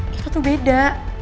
kita tuh beda